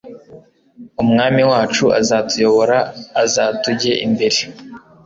umwami wacu azatuyobora, azatujye imbere